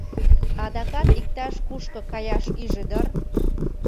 — Адакат иктаж-кушко каяш ӱжӧ дыр?